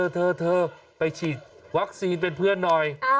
เธอไปฉีดวัคซีนเป็นเพื่อนหน่อย